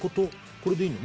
これでいいの？